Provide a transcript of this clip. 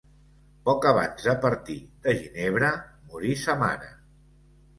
Poc abans de partir de Ginebra, morí sa mare.